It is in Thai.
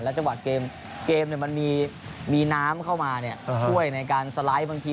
จังหวะเกมมันมีน้ำเข้ามาช่วยในการสไลด์บางที